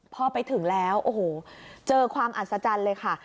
พอไปถึงแล้วเจอความอัดซะจันทร์เลยค่ะ